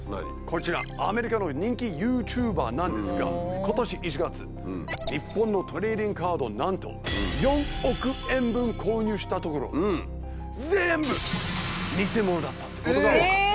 こちらアメリカの人気ＹｏｕＴｕｂｅｒなんですが今年１月日本のトレーディングカードをなんと４億円分購入したところ全部偽物だったってことが話題になってます。